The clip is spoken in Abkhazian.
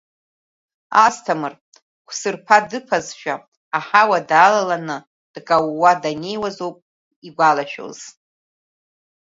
Асҭамыр, қәсырԥа дыԥазшәа, аҳауа далаланы дкаууа даннеиуаз ауп игәалашәоз.